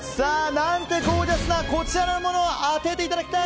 何てゴージャスなこちらのものを当てていただきたい！